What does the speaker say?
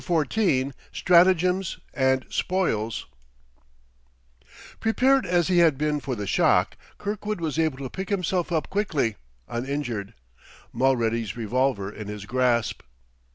XIV STRATAGEMS AND SPOILS Prepared as he had been for the shock, Kirkwood was able to pick himself up quickly, uninjured, Mulready's revolver in his grasp.